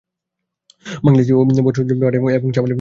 বাংলাদেশি বস্ত্র, ওষুধ, পাট এবং চা মালির বাজারে ভালো কদর পেয়েছে।